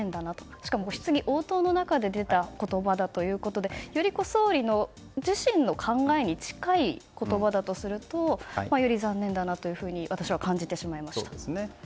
しかも質疑応答の中で出た言葉ということでより総理自身の考えに近い言葉だとするとより残念だなというふうに私は感じてしまいました。